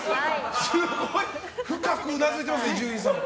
すごい、深くうなずいてますね伊集院さんも。